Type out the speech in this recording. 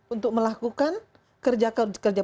untuk melakukan kerja kerja